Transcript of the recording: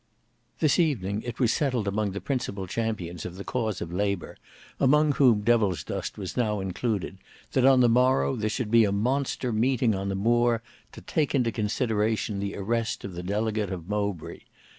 This evening it was settled among the principal champions of the cause of Labour, among whom Devilsdust was now included, that on the morrow there should be a monster meeting on the Moor to take into consideration the arrest of the delegate of Mowbray.